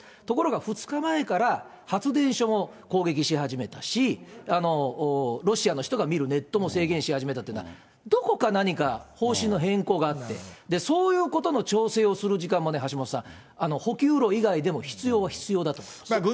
ところが２日前から、発電所も攻撃し始めたし、ロシアの人が見るネットも制限し始めたたのは、どこか何か、方針の変更があって、そういうことの調整をする時間まで、橋下さん、補給路以外でも必要は必要だと思います。